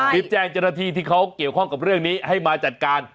รีบแจ้งเจ้าหน้าที่ที่เขาเกี่ยวข้องกับเรื่องนี้ให้มาจัดการ